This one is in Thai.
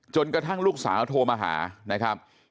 กระทั่งลูกสาวโทรมาหานะครับ